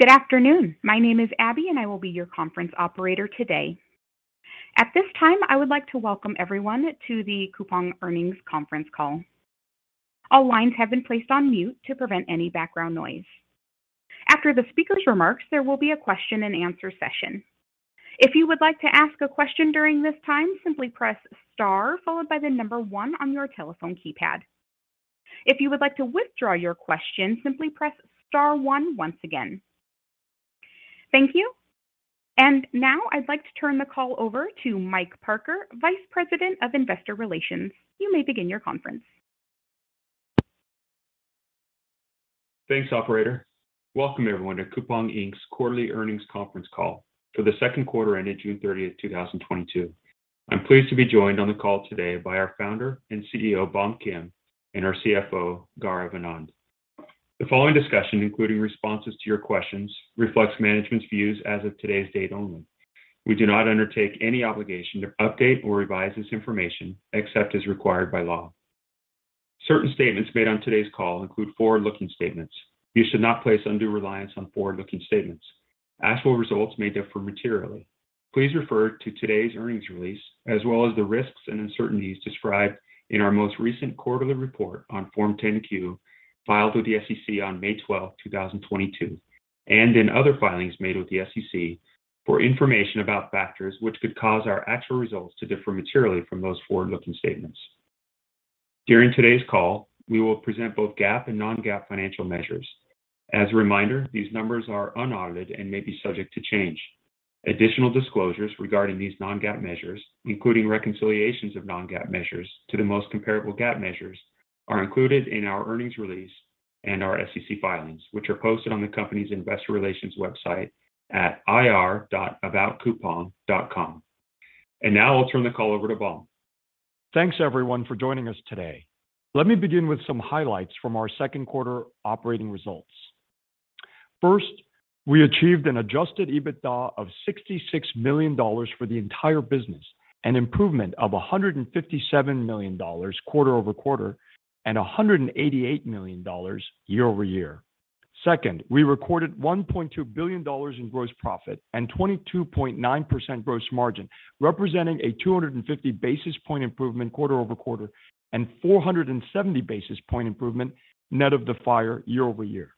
Good afternoon. My name is Abby, and I will be your conference operator today. At this time, I would like to welcome everyone to the Coupang Earnings Conference Call. All lines have been placed on mute to prevent any background noise. After the speaker's remarks, there will be a question-and-answer session. If you would like to ask a question during this time, simply press star followed by the number one on your telephone keypad. If you would like to withdraw your question, simply press Star one once again. Thank you. Now I'd like to turn the call over to Mike Parker, Vice President of Investor Relations. You may begin your conference. Thanks, operator. Welcome, everyone, to Coupang, Inc.'s Quarterly Earnings Conference Call for the Second Quarter ended 30 June 2022. I'm pleased to be joined on the call today by our Founder and CEO, Bom Kim, and our CFO, Gaurav Anand. The following discussion, including responses to your questions, reflects management's views as of today's date only. We do not undertake any obligation to update or revise this information except as required by law. Certain statements made on today's call include forward-looking statements. You should not place undue reliance on forward-looking statements. Actual results may differ materially. Please refer to today's earnings release as well as the risks and uncertainties described in our most recent quarterly report on Form 10-Q filed with the SEC on 12 May 2022, and in other filings made with the SEC for information about factors which could cause our actual results to differ materially from those forward-looking statements. During today's call, we will present both GAAP and non-GAAP financial measures. As a reminder, these numbers are unaudited and may be subject to change. Additional disclosures regarding these non-GAAP measures, including reconciliations of non-GAAP measures to the most comparable GAAP measures, are included in our earnings release and our SEC filings, which are posted on the company's investor relations website at ir.aboutcoupang.com. Now I'll turn the call over to Bom. Thanks, everyone, for joining us today. Let me begin with some highlights from our second quarter operating results. First, we achieved an adjusted EBITDA of $66 million for the entire business, an improvement of $157 million quarter over quarter and $188 million year over year. Second, we recorded $1.2 billion in gross profit and 22.9% gross margin, representing a 250-basis point improvement quarter over quarter and 470-basis point improvement net of the fire year over year.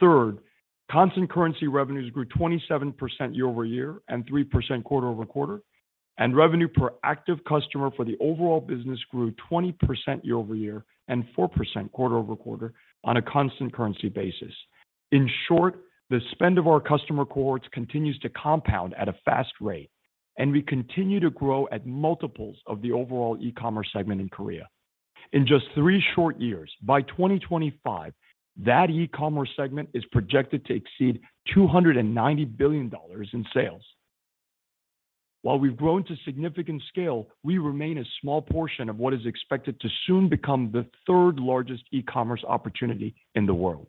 Third, constant currency revenues grew 27% year-over-year and 3% quarter-over-quarter, and revenue per active customer for the overall business grew 20% year-over-year and 4% quarter-over-quarter on a constant currency basis. In short, the spend of our customer cohorts continues to compound at a fast rate, and we continue to grow at multiples of the overall e-commerce segment in Korea. In just three short years, by 2025, that e-commerce segment is projected to exceed $290 billion in sales. While we've grown to significant scale, we remain a small portion of what is expected to soon become the third largest e-commerce opportunity in the world.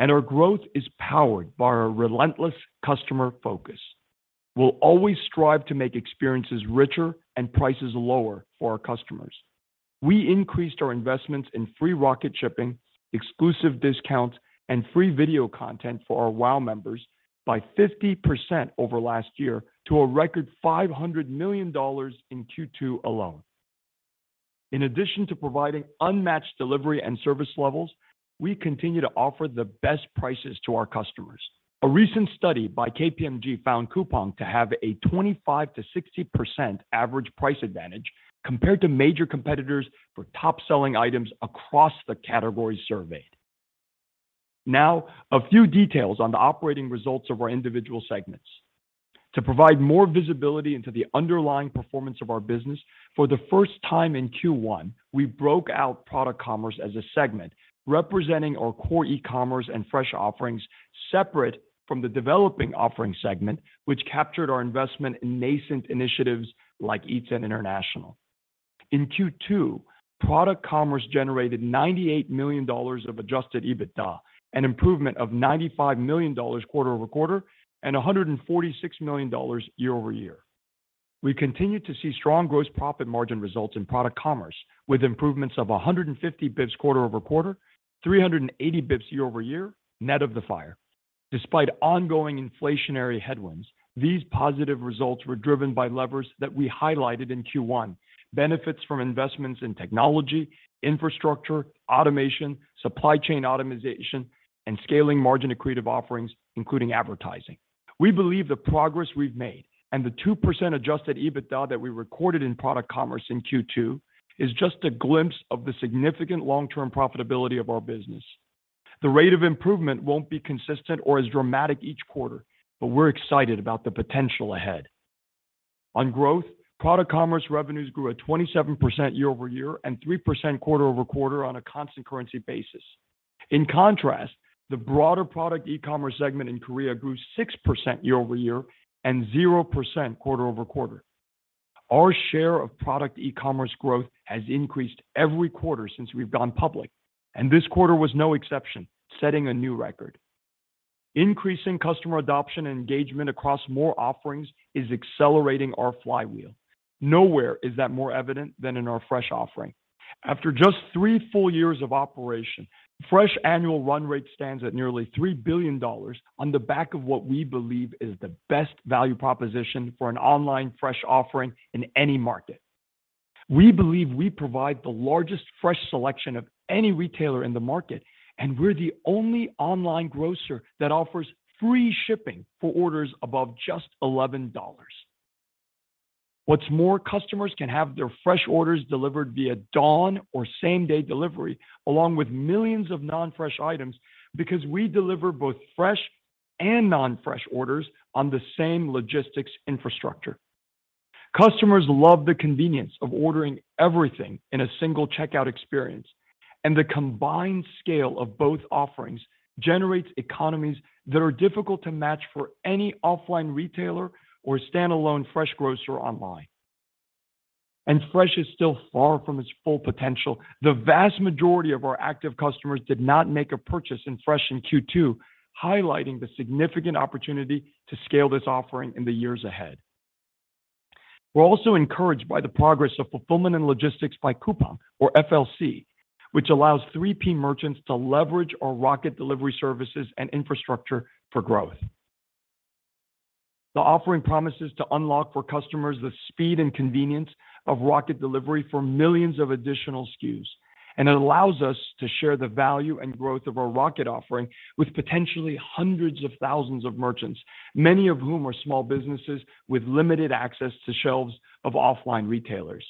Our growth is powered by our relentless customer focus. We'll always strive to make experiences richer, and prices lower for our customers. We increased our investments in free Rocket Delivery, exclusive discounts, and Coupang Play for our WOW members by 50% over last year to a record $500 million in second quarter alone. In addition to providing unmatched delivery and service levels, we continue to offer the best prices to our customers. A recent study by KPMG found Coupang to have a 25% to 60% average price advantage compared to major competitors for top-selling items across the categories surveyed. Now a few details on the operating results of our individual segments. To provide more visibility into the underlying performance of our business, for the first time in first quarter, we broke out Product Commerce as a segment representing our core e-commerce and fresh offerings separate from the Developing Offerings segment, which captured our investment in nascent initiatives like Eats and International. In second quarter, Product Commerce generated $98 million of adjusted EBITDA, an improvement of $95 million quarter-over-quarter and $146 million year-over-year. We continued to see strong gross profit margin results in Product Commerce, with improvements of 150-basis points quarter-over-quarter, 380-basis points year-over-year, net of the freight. Despite ongoing inflationary headwinds, these positive results were driven by levers that we highlighted in first quarter. Benefits from investments in technology, infrastructure, automation, supply chain optimization, and scaling margin accretive offerings, including advertising. We believe the progress we've made and the 2% adjusted EBITDA that we recorded in Product Commerce in second quarter is just a glimpse of the significant long-term profitability of our business. The rate of improvement won't be consistent or as dramatic each quarter, but we're excited about the potential ahead. On growth, Product Commerce revenues grew at 27% year-over-year and 3% quarter-over-quarter on a constant currency basis. In contrast, the broader product e-commerce segment in Korea grew 6% year-over-year and 0% quarter-over-quarter. Our share of product e-commerce growth has increased every quarter since we've gone public, and this quarter was no exception, setting a new record. Increasing customer adoption and engagement across more offerings is accelerating our flywheel. Nowhere is that more evident than in our fresh offering. After just three full years of operation, Fresh annual run rate stands at nearly $3 billion on the back of what we believe is the best value proposition for an online Fresh offering in any market. We believe we provide the largest Fresh selection of any retailer in the market, and we're the only online grocer that offers free shipping for orders above just $11. What's more, customers can have their Fresh orders delivered via Dawn or same-day delivery, along with millions of non-Fresh items because we deliver both Fresh and non-Fresh orders on the same logistics infrastructure. Customers love the convenience of ordering everything in a single checkout experience, and the combined scale of both offerings generates economies that are difficult to match for any offline retailer or standalone Fresh grocer online. Fresh is still far from its full potential. The vast majority of our active customers did not make a purchase in Fresh in second quarter, highlighting the significant opportunity to scale this offering in the years ahead. We're also encouraged by the progress of Fulfillment and Logistics by Coupang, or FLC, which allows third-party merchants to leverage our Rocket Delivery services and infrastructure for growth. The offering promises to unlock for customers the speed and convenience of Rocket Delivery for millions of additional SKUs, and it allows us to share the value and growth of our Rocket offering with potentially hundreds of thousands of merchants, many of whom are small businesses with limited access to shelves of offline retailers.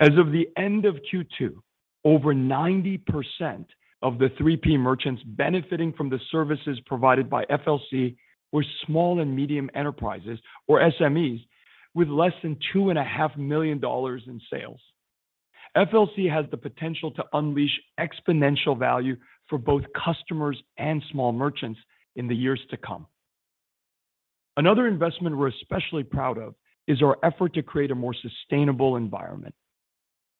As of the end of second, over 90% of the third-party merchants benefiting from the services provided by FLC were small and medium enterprises or SMEs with less than $2.5 million in sales. FLC has the potential to unleash exponential value for both customers and small merchants in the years to come. Another investment we're especially proud of is our effort to create a more sustainable environment.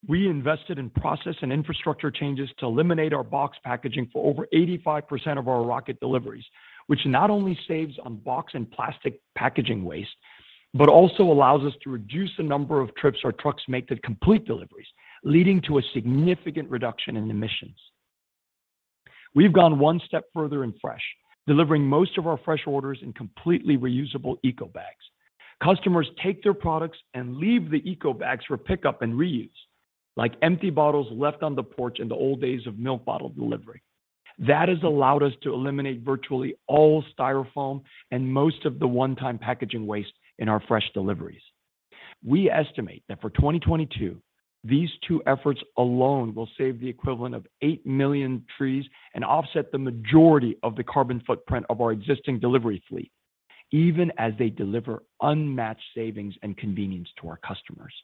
We invested in process and infrastructure changes to eliminate our box packaging for over 85% of our Rocket deliveries, which not only saves on box and plastic packaging waste, but also allows us to reduce the number of trips our trucks make to complete deliveries, leading to a significant reduction in emissions. We've gone one step further in Fresh, delivering most of our Fresh orders in completely reusable eco bags. Customers take their products and leave the eco bags for pickup and reuse, like empty bottles left on the porch in the old days of milk bottle delivery. That has allowed us to eliminate virtually all Styrofoam and most of the one-time packaging waste in our Fresh deliveries. We estimate that for 2022, these two efforts alone will save the equivalent of 8 million trees and offset the majority of the carbon footprint of our existing delivery fleet, even as they deliver unmatched savings and convenience to our customers.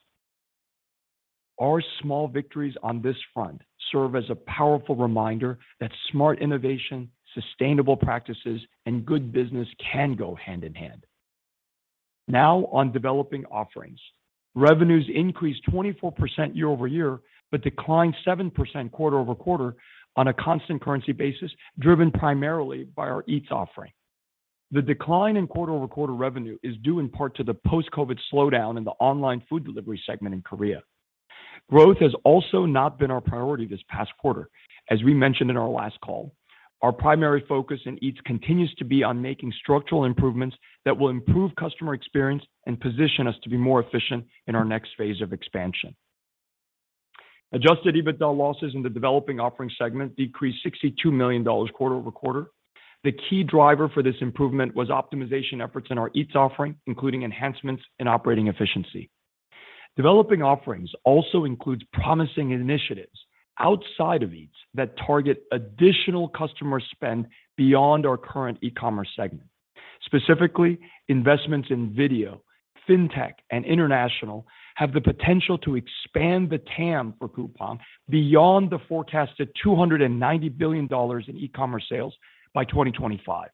Our small victories on this front serve as a powerful reminder that smart innovation, sustainable practices, and good business can go hand in hand. Now on Developing Offerings. Revenues increased 24% year-over-year, but declined 7% quarter-over-quarter on a constant currency basis, driven primarily by our Eats offering. The decline in quarter-over-quarter revenue is due in part to the post-COVID slowdown in the online food delivery segment in Korea. Growth has also not been our priority this past quarter, as we mentioned in our last call. Our primary focus in Eats continues to be on making structural improvements that will improve customer experience and position us to be more efficient in our next phase of expansion. Adjusted EBITDA losses in the Developing Offerings segment decreased $62 million quarter-over-quarter. The key driver for this improvement was optimization efforts in our Eats offering, including enhancements in operating efficiency. Developing Offerings also includes promising initiatives outside of Eats that target additional customer spend beyond our current e-commerce segment. Specifically, investments in video, fintech, and international have the potential to expand the TAM for Coupang beyond the forecasted $290 billion in e-commerce sales by 2025.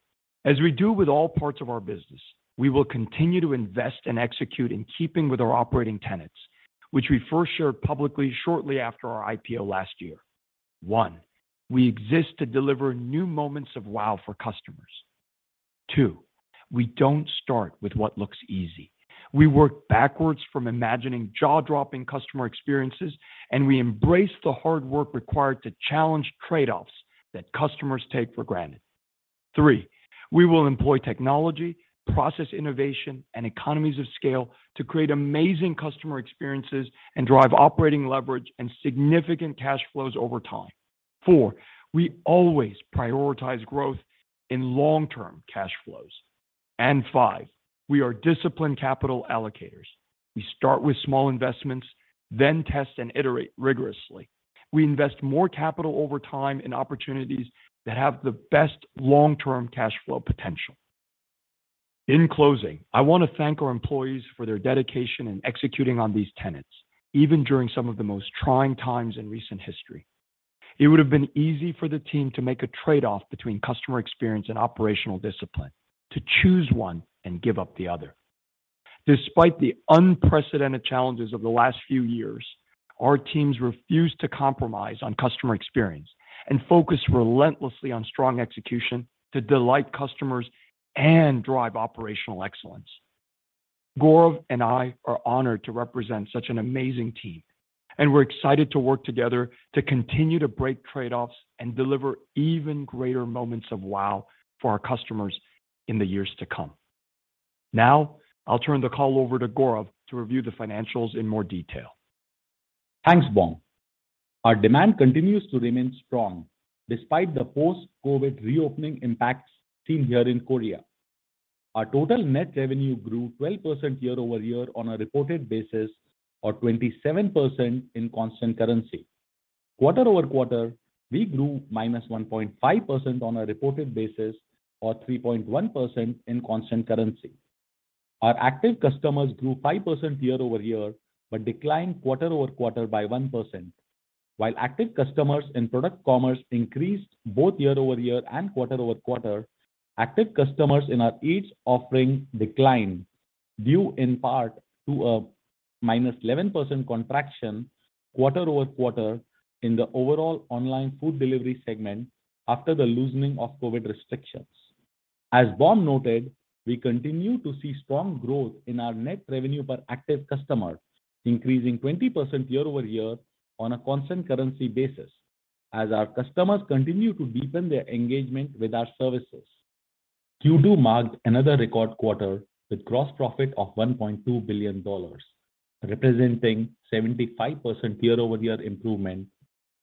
As we do with all parts of our business, we will continue to invest and execute in keeping with our operating tenets, which we first shared publicly shortly after our IPO last year. One, we exist to deliver new moments of wow for customers. Two, we don't start with what looks easy. We work backwards from imagining jaw-dropping customer experiences, and we embrace the hard work required to challenge trade-offs that customers take for granted. Three, we will employ technology, process innovation, and economies of scale to create amazing customer experiences and drive operating leverage and significant cash flows over time. Four, we always prioritize growth in long-term cash flows. Five, we are disciplined capital allocators. We start with small investments, then test and iterate rigorously. We invest more capital over time in opportunities that have the best long-term cash flow potential. In closing, I want to thank our employees for their dedication in executing on these tenets, even during some of the most trying times in recent history. It would have been easy for the team to make a trade-off between customer experience and operational discipline, to choose one and give up the other. Despite the unprecedented challenges of the last few years, our teams refused to compromise on customer experience and focused relentlessly on strong execution to delight customers and drive operational excellence. Gaurav and I are honored to represent such an amazing team, and we're excited to work together to continue to break trade-offs and deliver even greater moments of wow for our customers in the years to come. Now, I'll turn the call over to Gaurav to review the financials in more detail. Thanks, Bom. Our demand continues to remain strong despite the post-COVID reopening impacts seen here in Korea. Our total net revenue grew 12% year-over-year on a reported basis, or 27% in constant currency. Quarter-over-quarter, we grew -1.5% on a reported basis or 3.1% in constant currency. Our active customers grew 5% year-over-year but declined quarter-over-quarter by 1%. While active customers in Product Commerce increased both year-over-year and quarter-over-quarter, active customers in our Coupang Eats offering declined, due in part to a -11% contraction quarter-over-quarter in the overall online food delivery segment after the loosening of COVID restrictions. As Bom Kim noted, we continue to see strong growth in our net revenue per active customer, increasing 20% year-over-year on a constant currency basis as our customers continue to deepen their engagement with our services. Second quarter marked another record quarter with gross profit of $1.2 billion, representing 75% year-over-year improvement,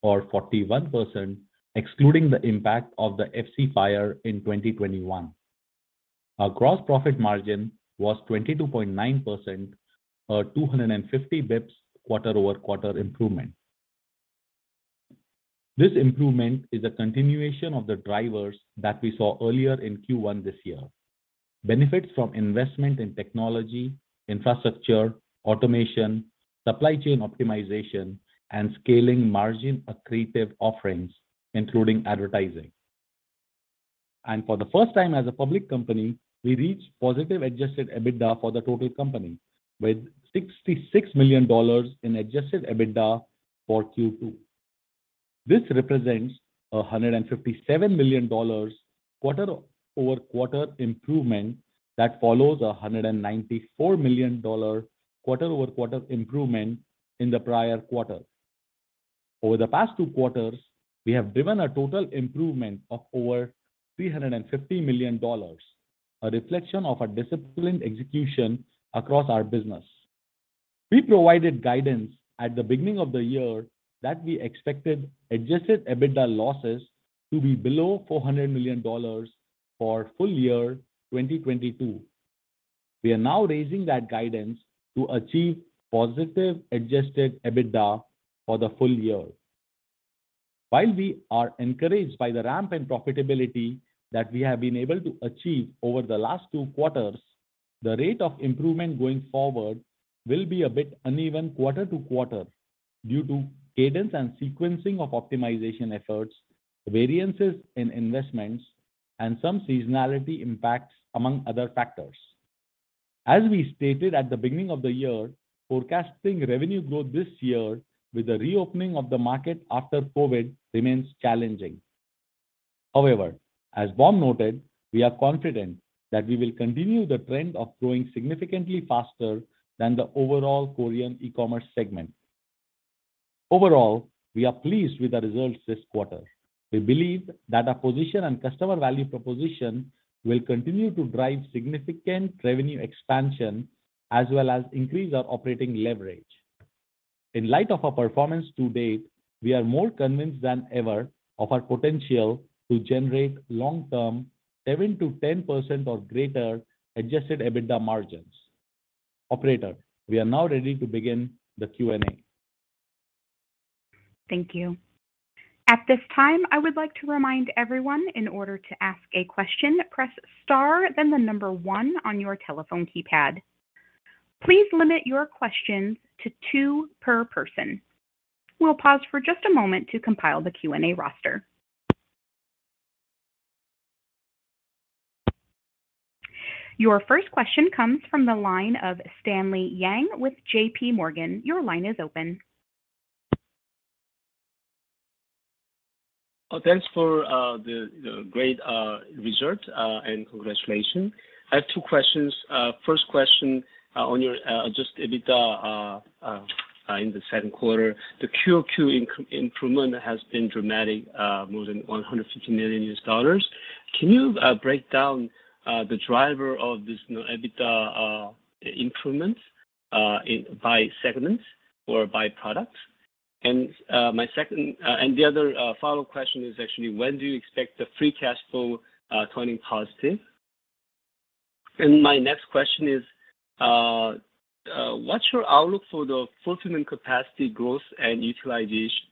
or 41% excluding the impact of the FC fire in 2021. Our gross profit margin was 22.9% or 250-basis points quarter-over-quarter improvement. This improvement is a continuation of the drivers that we saw earlier in first quarter his year. Benefits from investment in technology, infrastructure, automation, supply chain optimization, and scaling margin accretive offerings, including advertising. For the first time as a public company, we reached positive adjusted EBITDA for the total company with $66 million in adjusted EBITDA for second quarter. This represents a $157 million quarter-over-quarter improvement that follows a $194 million quarter-over-quarter improvement in the prior quarter. Over the past two quarters, we have driven a total improvement of over $350 million, a reflection of our disciplined execution across our business. We provided guidance at the beginning of the year that we expected adjusted EBITDA losses to be below $400 million for full year 2022. We are now raising that guidance to achieve positive adjusted EBITDA for the full year. While we are encouraged by the ramp in profitability that we have been able to achieve over the last two quarters, the rate of improvement going forward will be a bit uneven quarter to quarter due to cadence and sequencing of optimization efforts, variances in investments, and some seasonality impacts, among other factors. As we stated at the beginning of the year, forecasting revenue growth this year with the reopening of the market after COVID remains challenging. However, as Bom noted, we are confident that we will continue the trend of growing significantly faster than the overall Korean e-commerce segment. Overall, we are pleased with the results this quarter. We believe that our position and customer value proposition will continue to drive significant revenue expansion as well as increase our operating leverage. In light of our performance to date, we are more convinced than ever of our potential to generate long-term 7% to 10% or greater adjusted EBITDA margins. Operator, we are now ready to begin the Q&A. Thank you. At this time, I would like to remind everyone in order to ask a question, press star then the number one on your telephone keypad. Please limit your questions to two per person. We'll pause for just a moment to compile the Q&A roster. Your first question comes from the line of Stanley Yang with JPMorgan. Your line is open. Thanks for the great result and congratulations. I have two questions. First question on your adjusted EBITDA in the second quarter, the quarter-over-quarter improvement has been dramatic, more than $150 million. Can you break down the driver of this net EBITDA improvement by segments or by products? The other follow question is actually when do you expect the free cash flow turning positive? My next question is, what's your outlook for the fulfillment capacity growth and utilization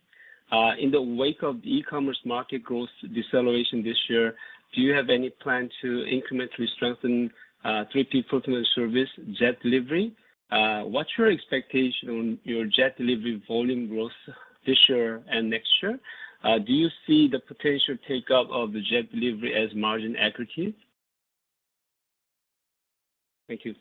in the wake of the e-commerce market growth deceleration this year? Do you have any plan to incrementally strengthen third-party fulfillment service, Rocket Delivery? What's your expectation on your Rocket Delivery volume growth this year and next year? Do you see the potential take up of the Rocket Delivery as margin accretive? Thank you.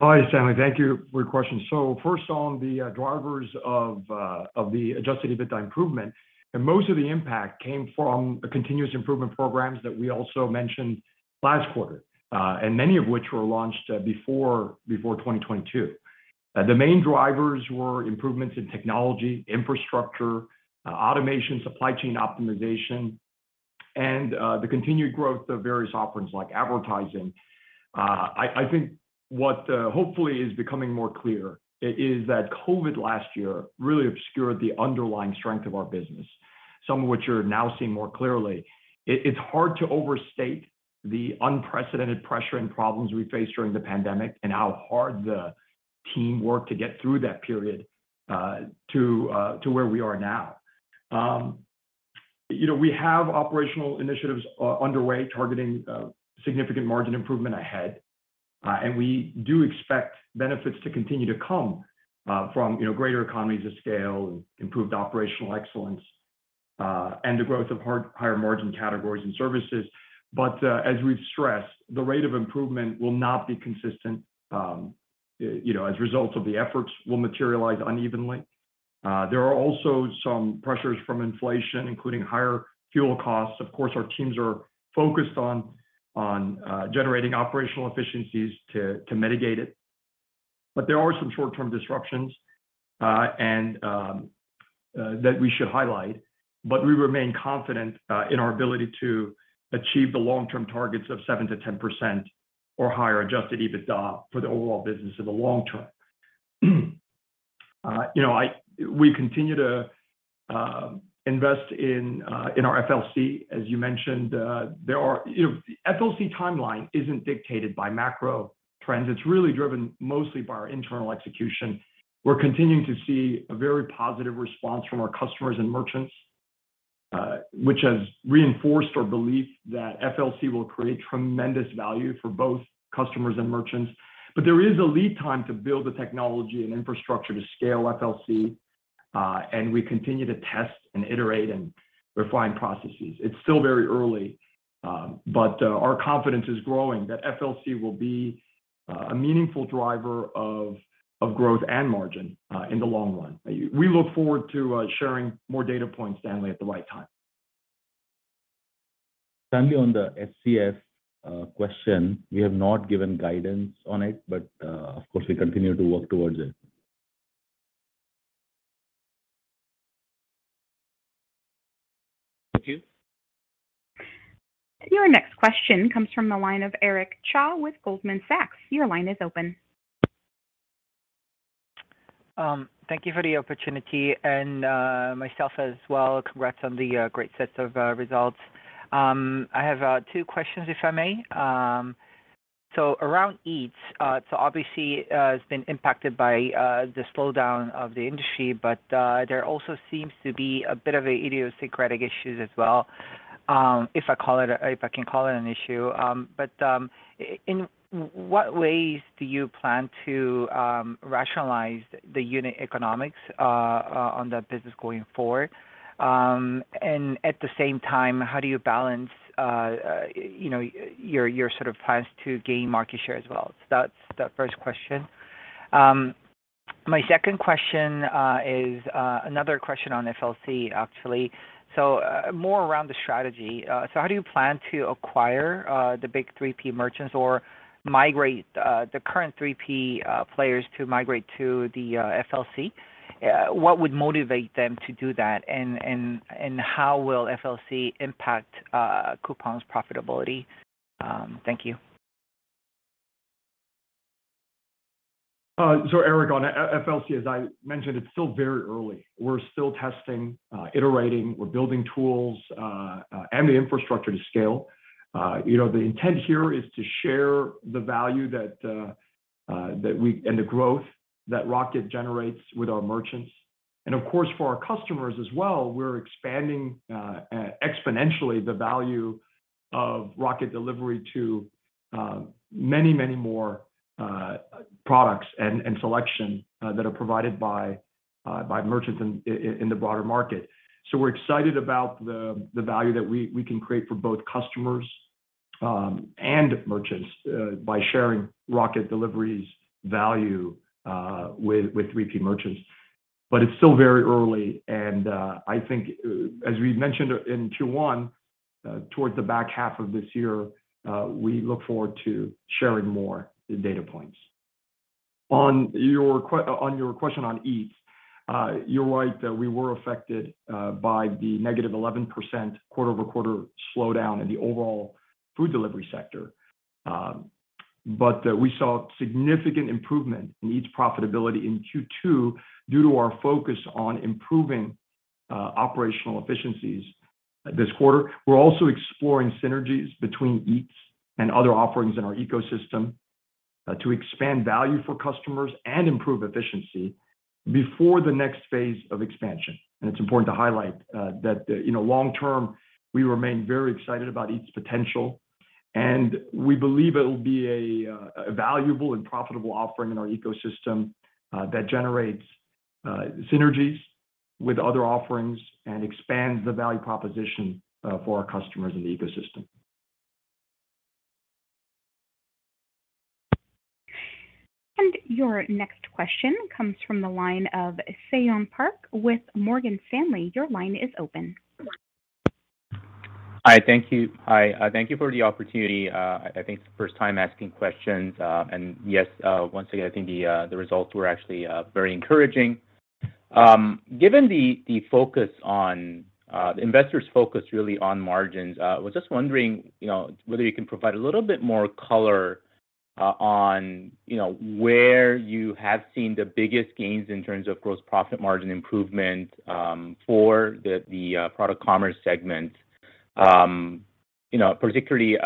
Hi, Stanley. Thank you for your question. First on the drivers of the adjusted EBITDA improvement, most of the impact came from the continuous improvement programs that we also mentioned last quarter, and many of which were launched before 2022. The main drivers were improvements in technology, infrastructure, automation, supply chain optimization, and the continued growth of various offerings like advertising. I think what hopefully is becoming more clear is that COVID last year really obscured the underlying strength of our business, some of which you're now seeing more clearly. It's hard to overstate the unprecedented pressure and problems we faced during the pandemic and how hard the team worked to get through that period to where we are now. You know, we have operational initiatives underway targeting significant margin improvement ahead, and we do expect benefits to continue to come from you know, greater economies of scale and improved operational excellence, and the growth of higher margin categories and services. As we've stressed, the rate of improvement will not be consistent, you know, as results of the efforts will materialize unevenly. There are also some pressures from inflation, including higher fuel costs. Of course, our teams are focused on generating operational efficiencies to mitigate it. There are some short-term disruptions and that we should highlight, but we remain confident in our ability to achieve the long-term targets of 7% to 10% or higher adjusted EBITDA for the overall business in the long-term. You know, we continue to invest in our FLC, as you mentioned. You know, the FLC timeline isn't dictated by macro trends. It's really driven mostly by our internal execution. We're continuing to see a very positive response from our customers and merchants, which has reinforced our belief that FLC will create tremendous value for both customers and merchants. There is a lead time to build the technology and infrastructure to scale FLC, and we continue to test and iterate and refine processes. It's still very early, but our confidence is growing that FLC will be a meaningful driver of growth and margin in the long run. We look forward to sharing more data points, Stanley, at the right time. Stanley, on the FCF question, we have not given guidance on it, but of course, we continue to work towards it. Thank you. Your next question comes from the line of Eric Cha with Goldman Sachs. Your line is open. Thank you for the opportunity and, myself as well, congrats on the great sets of results. I have two questions, if I may. Around Eats, obviously, it's been impacted by the slowdown of the industry, but there also seems to be a bit of idiosyncratic issues as well, if I can call it an issue. But in what ways do you plan to rationalize the unit economics on that business going forward? And at the same time, how do you balance, you know, your sort of plans to gain market share as well? That's the first question. My second question is another question on FLC, actually. More around the strategy. How do you plan to acquire the big third-party merchants or migrate the current third-party players to the FLC? What would motivate them to do that? How will FLC impact Coupang's profitability? Thank you. Eric, on FLC, as I mentioned, it's still very early. We're still testing, iterating, we're building tools, and the infrastructure to scale. You know, the intent here is to share the value and the growth that Rocket generates with our merchants. Of course, for our customers as well, we're expanding exponentially the value of Rocket Delivery to many, many more products and selection that are provided by merchants in the broader market. We're excited about the value that we can create for both customers and merchants by sharing Rocket Delivery's value with third-party merchants. It's still very early, and I think, as we mentioned in first quarter, towards the back half of this year, we look forward to sharing more data points. On your question on Eats, you're right that we were affected by the negative 11% quarter-over-quarter slowdown in the overall food delivery sector. We saw significant improvement in Eats profitability in second quarter due to our focus on improving operational efficiencies this quarter. We're also exploring synergies between Eats and other offerings in our ecosystem to expand value for customers and improve efficiency before the next phase of expansion. It's important to highlight, that, you know, long-term, we remain very excited about Eats' potential, and we believe it'll be a valuable and profitable offering in our ecosystem, that generates synergies with other offerings and expand the value proposition, for our customers in the ecosystem. Your next question comes from the line of Seyon Park with Morgan Stanley. Your line is open. Hi. Thank you. Hi, thank you for the opportunity. I think it's the first time asking questions. Yes, once again, I think the results were actually very encouraging. Given the investors' focus really on margins, I was just wondering, you know, whether you can provide a little bit more color on, you know, where you have seen the biggest gains in terms of gross profit margin improvement for the Product Commerce segment. You know, particularly,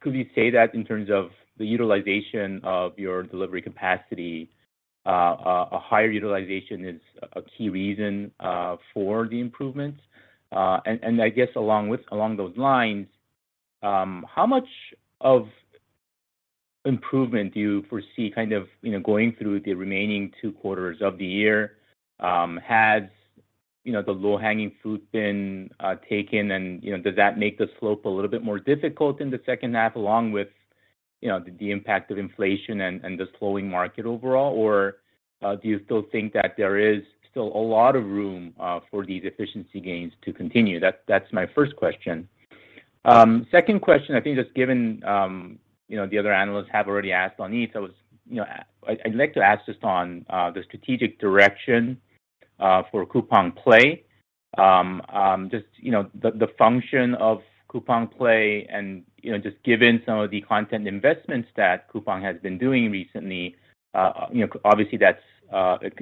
could you say that in terms of the utilization of your delivery capacity, a higher utilization is a key reason for the improvements? I guess along those lines, how much of improvement do you foresee kind of, you know, going through the remaining two quarters of the year? Has, you know, the low-hanging fruit been taken? You know, does that make the slope a little bit more difficult in the second half, along with, you know, the impact of inflation and the slowing market overall? Do you still think that there is still a lot of room for these efficiency gains to continue? That's my first question. Second question, I think just given, you know, the other analysts have already asked on Eats, I'd like to ask just on the strategic direction for Coupang Play. Just, you know, the function of Coupang Play and, you know, just given some of the content investments that Coupang has been doing recently, you know, obviously that's.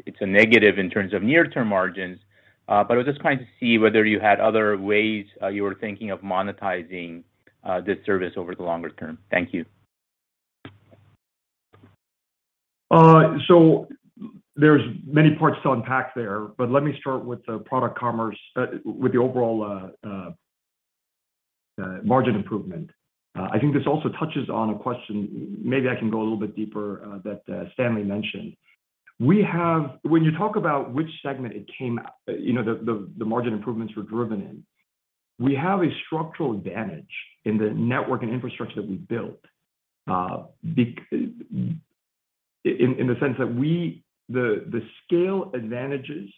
It's a negative in terms of near-term margins. But I was just trying to see whether you had other ways you were thinking of monetizing this service over the longer term. Thank you. There's many parts to unpack there, but let me start with the Product Commerce, with the overall margin improvement. I think this also touches on a question maybe I can go a little bit deeper, that Stanley mentioned. When you talk about which segment it came out, you know, the margin improvements were driven in, we have a structural advantage in the network and infrastructure that we built, in the sense that the scale advantages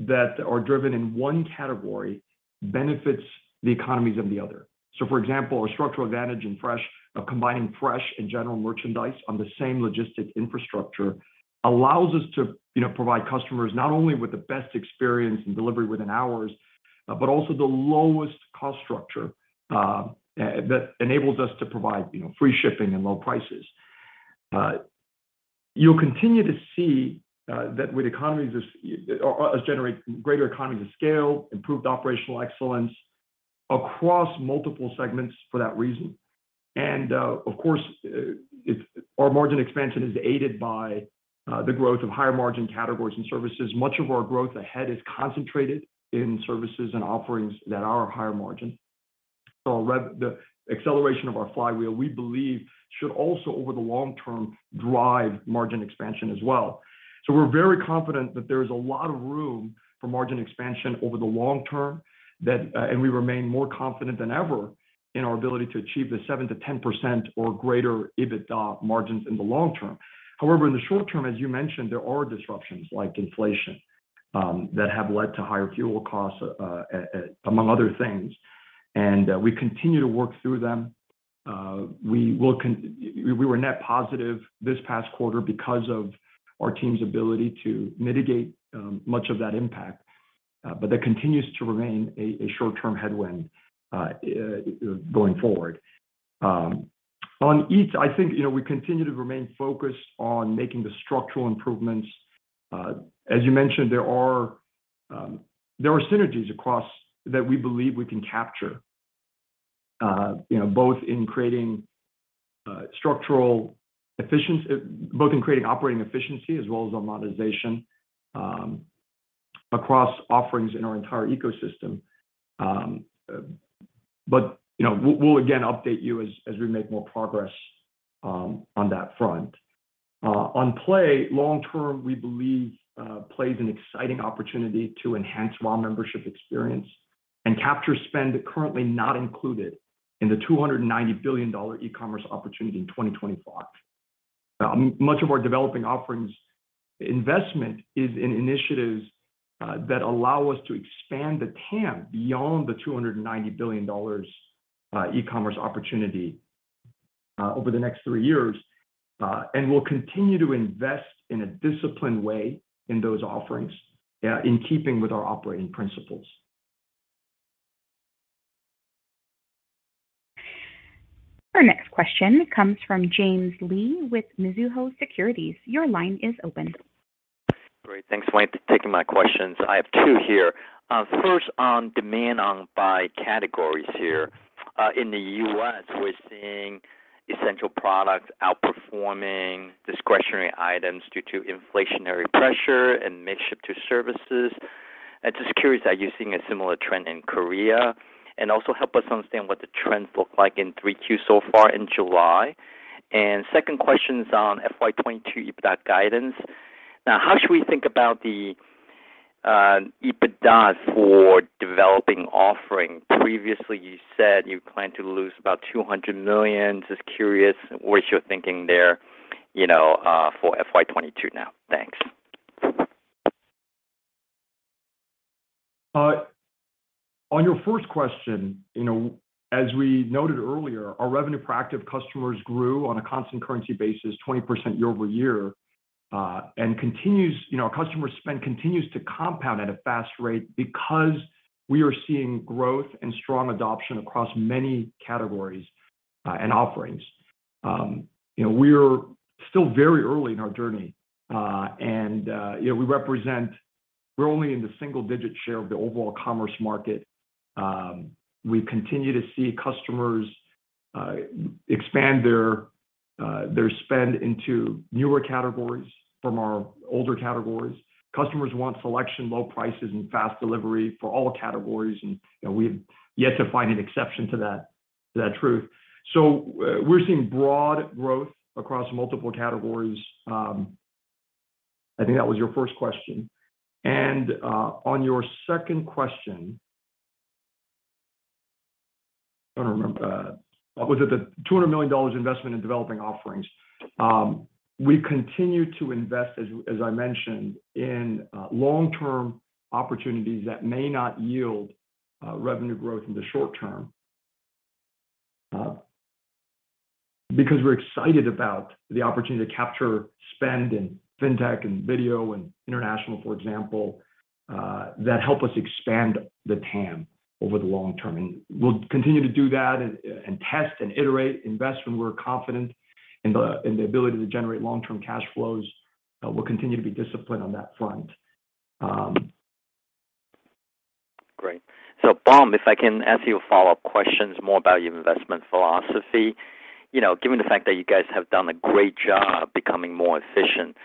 that are driven in one category benefits the economies of the other. For example, our structural advantage in Fresh, of combining Fresh and general merchandise on the same logistic infrastructure allows us to, you know, provide customers not only with the best experience and delivery within hours, but also the lowest cost structure, that enables us to provide, you know, free shipping and low prices. You'll continue to see that with economies of scale, as we generate greater economies of scale, improved operational excellence across multiple segments for that reason. Of course, our margin expansion is aided by the growth of higher margin categories and services. Much of our growth ahead is concentrated in services and offerings that are higher margin. The acceleration of our flywheel, we believe, should also, over the long-term, drive margin expansion as well. We're very confident that there's a lot of room for margin expansion over the long-term, and we remain more confident than ever in our ability to achieve the 7% to 10% or greater EBITDA margins in the long-term. However, in the short-term, as you mentioned, there are disruptions like inflation that have led to higher fuel costs, among other things. We continue to work through them. We were net positive this past quarter because of our team's ability to mitigate much of that impact. That continues to remain a short-term headwind going forward. On Eats, I think, you know, we continue to remain focused on making the structural improvements. As you mentioned, there are synergies across that we believe we can capture, you know, both in creating operating efficiency as well as on monetization, across offerings in our entire ecosystem. We'll again update you as we make more progress on that front. On Play, long-term, we believe Play is an exciting opportunity to enhance WOW membership experience and capture spend currently not included in the $290 billion e-commerce opportunity in 2025. Much of our Developing Offerings investment is in initiatives that allow us to expand the TAM beyond the $290 billion e-commerce opportunity over the next three years. We'll continue to invest in a disciplined way in those offerings, in keeping with our operating principles. Our next question comes from James Lee with Mizuho Securities. Your line is open. Great. Thanks for taking my questions. I have two here. First on demand by categories here. In the US, we're seeing essential products outperforming discretionary items due to inflationary pressure and shift to services. Just curious, are you seeing a similar trend in Korea? Also help us understand what the trends look like in third quarter so far in July. Second question is on fiscal year 2022 EBITDA guidance. Now, how should we think about the EBITDA for Developing Offerings? Previously, you said you plan to lose about $200 million. Just curious what you're thinking there, you know, for fiscal year 2022 now. Thanks. On your first question, you know, as we noted earlier, our revenue for active customers grew on a constant currency basis 20% year-over-year, and our customer spend continues to compound at a fast rate because we are seeing growth and strong adoption across many categories, and offerings. You know, we're still very early in our journey, and you know, we're only in the single-digit share of the overall commerce market. We continue to see customers expand their spend into newer categories from our older categories. Customers want selection, low prices, and fast delivery for all categories. You know, we have yet to find an exception to that truth. We're seeing broad growth across multiple categories. I think that was your first question. On your second question. I don't remember. Was it the $200 million investment in Developing Offerings? We continue to invest, as I mentioned, in long-term opportunities that may not yield revenue growth in the short-term, because we're excited about the opportunity to capture spend in fintech and video and international, for example, that help us expand the TAM over the long-term. We'll continue to do that and test and iterate, invest when we're confident in the ability to generate long-term cash flows. We'll continue to be disciplined on that front. Great. Bom, if I can ask you a follow-up question more about your investment philosophy. You know, given the fact that you guys have done a great job becoming more efficient,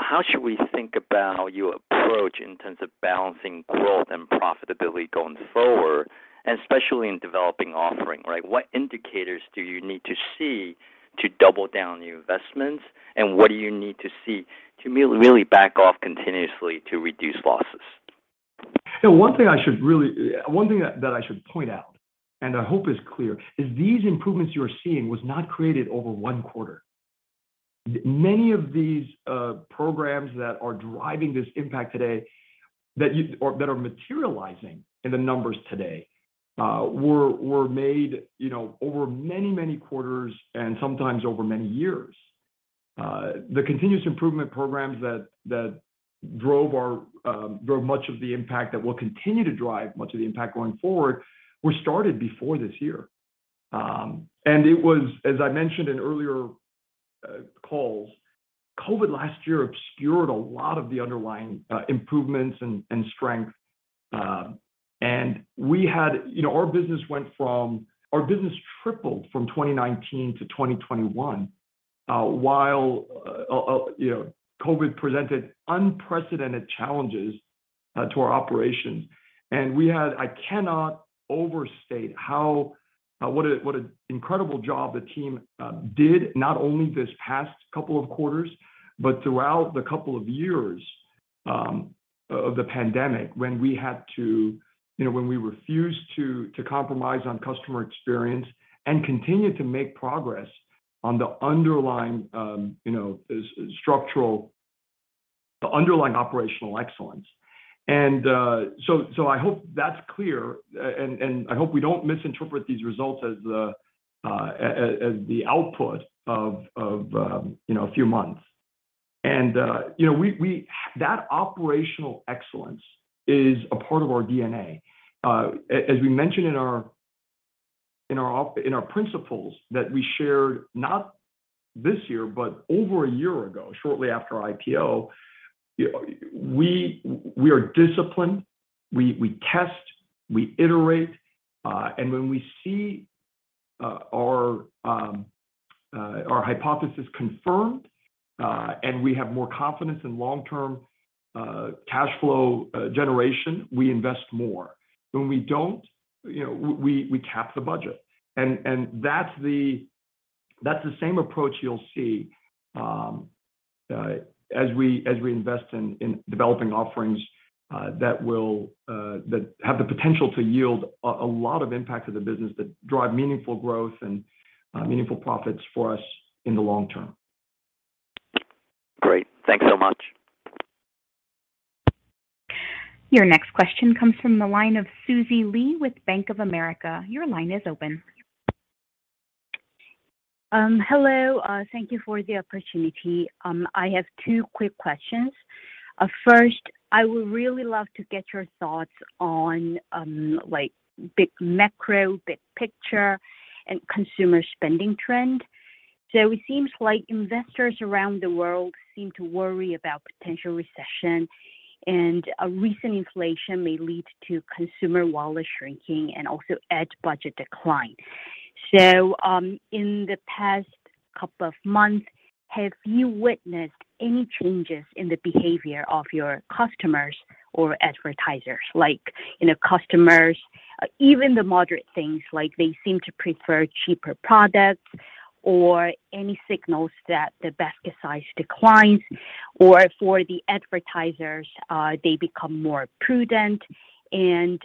how should we think about your approach in terms of balancing growth and profitability going forward, and especially in Developing Offerings, right? What indicators do you need to see to double down your investments, and what do you need to see to really back off continuously to reduce losses? One thing that I should point out, and I hope it's clear, is these improvements you are seeing was not created over one quarter. Many of these programs that are driving this impact today or that are materializing in the numbers today were made, you know, over many, many quarters and sometimes over many years. The continuous improvement programs that drove much of the impact, that will continue to drive much of the impact going forward, were started before this year. It was, as I mentioned in earlier calls, COVID last year obscured a lot of the underlying improvements and strength. You know, our business tripled from 2019 to 2021, while you know, COVID presented unprecedented challenges to our operations. I cannot overstate how what an incredible job the team did not only this past couple of quarters, but throughout the couple of years of the pandemic, when we had to you know, when we refused to compromise on customer experience and continued to make progress on the underlying you know, the underlying operational excellence. So, I hope that's clear, and I hope we don't misinterpret these results as the output of you know, a few months. You know that operational excellence is a part of our D&A. As we mentioned in our principles that we shared, not this year, but over a year ago, shortly after our IPO, we are disciplined. We test, we iterate, and when we see our hypothesis confirmed, and we have more confidence in long-term cash flow generation, we invest more. When we don't, you know, we cap the budget. That's the same approach you'll see as we invest in Developing Offerings that have the potential to yield a lot of impact to the business, that drive meaningful growth and meaningful profits for us in the long-term. Great. Thanks so much. Your next question comes from the line of Susie Lee with Bank of America. Your line is open. Hello. Thank you for the opportunity. I have two quick questions. First, I would really love to get your thoughts on, like, big macro, big picture and consumer spending trend. It seems like investors around the world seem to worry about potential recession, and a recent inflation may lead to consumer wallet shrinking and also ad budget decline. In the past couple of months, have you witnessed any changes in the behavior of your customers or advertisers? Like, you know, customers, even the moderate things, like they seem to prefer cheaper products or any signals that the basket size declines. Or for the advertisers, they become more prudent and,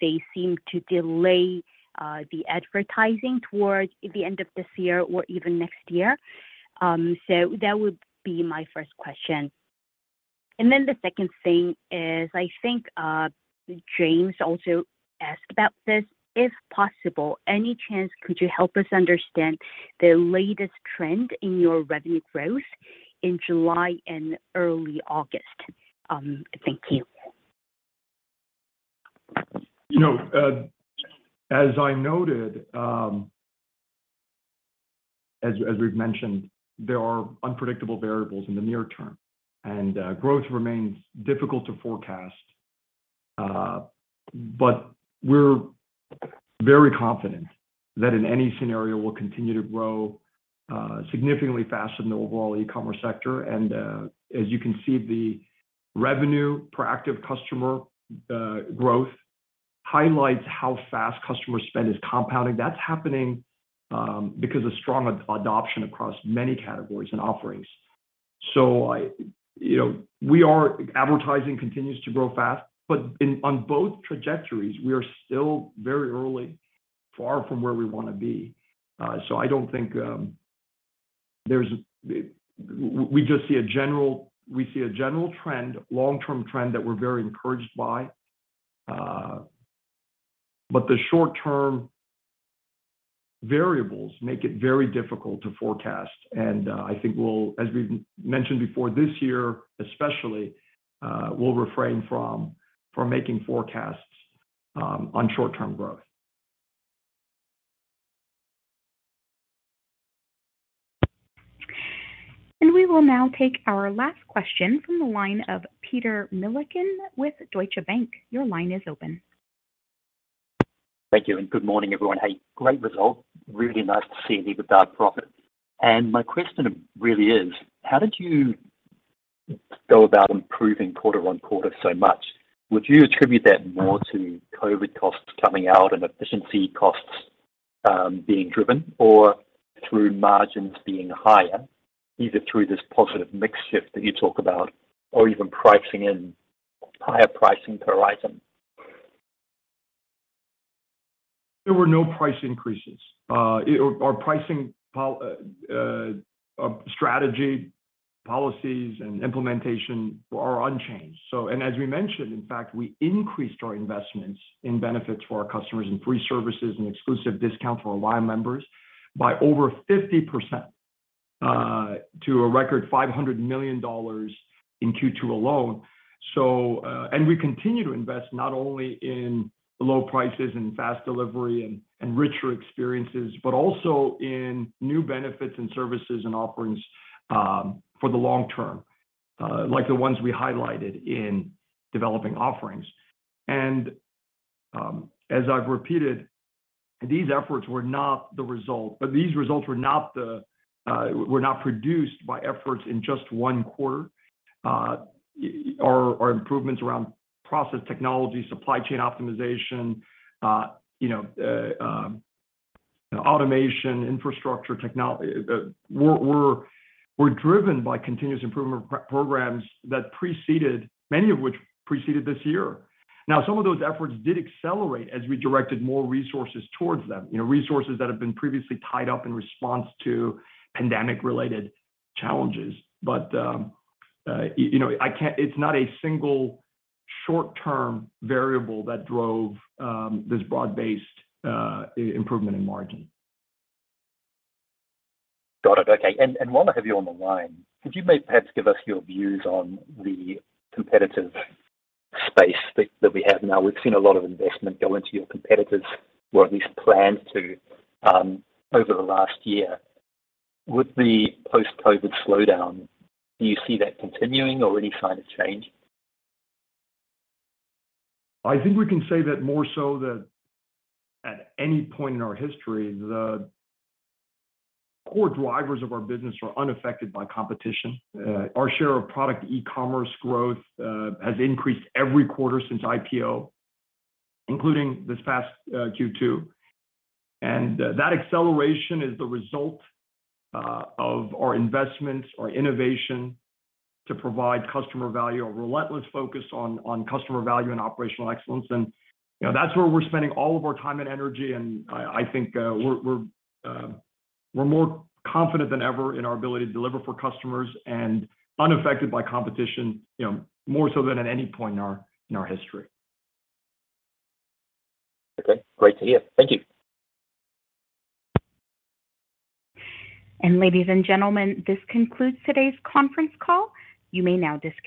they seem to delay, the advertising towards the end of this year or even next year. That would be my first question. The second thing is, I think, James also asked about this. If possible, any chance could you help us understand the latest trend in your revenue growth in July and early August? Thank you. You know, as I noted, as we've mentioned, there are unpredictable variables in the near term, and growth remains difficult to forecast. We're very confident that in any scenario we'll continue to grow significantly faster than the overall e-commerce sector. As you can see, the revenue per active customer growth highlights how fast customer spend is compounding. That's happening because of strong adoption across many categories and offerings. You know, advertising continues to grow fast, but on both trajectories, we are still very early, far from where we want to be. I don't think there's. We just see a general long-term trend that we're very encouraged by. The short-term variables make it very difficult to forecast. I think we'll, as we mentioned before this year, especially, we'll refrain from making forecasts on short-term growth. We will now take our last question from the line of Peter Milliken with Deutsche Bank. Your line is open. Thank you, and good morning, everyone. Hey, great result. Really nice to see EBITDA profit. My question really is, how did you go about improving quarter-over-quarter so much? Would you attribute that more to COVID costs coming out and efficiency costs being driven, or through margins being higher, either through this positive mix shift that you talk about or even pricing in higher pricing per item? There were no price increases. Our pricing strategy, policies, and implementation are unchanged. As we mentioned, in fact, we increased our investments in benefits for our customers in free services and exclusive discount for our WOW members by over 50%, to a record $500 million in second quarter alone. We continue to invest not only in low prices and fast delivery and richer experiences, but also in new benefits and services and offerings for the long-term, like the ones we highlighted in Developing Offerings. As I've repeated, these results were not produced by efforts in just one quarter. Our improvements around process technology, supply chain optimization, you know, automation, infrastructure were driven by continuous improvement programs that preceded, many of which preceded this year. Now, some of those efforts did accelerate as we directed more resources towards them. You know, resources that have been previously tied up in response to pandemic-related challenges. You know, it's not a single short-term variable that drove this broad-based improvement in margin. Got it. Okay. While I have you on the line, could you maybe perhaps give us your views on the competitive space that we have now? We've seen a lot of investment go into your competitors or at least planned to over the last year. With the post-COVID slowdown, do you see that continuing or any sign of change? I think we can say that more so than at any point in our history, the core drivers of our business are unaffected by competition. Our share of product e-commerce growth has increased every quarter since IPO, including this past second quarter. That acceleration is the result of our investments, our innovation to provide customer value, a relentless focus on customer value and operational excellence. You know, that's where we're spending all of our time and energy. I think we're more confident than ever in our ability to deliver for customers and unaffected by competition, you know, more so than at any point in our history. Okay. Great to hear. Thank you. Ladies and gentlemen, this concludes today's conference call. You may now disconnect.